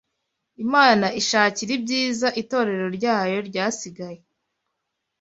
Imana ishakira ibyiza itorero ryayo ryasigaye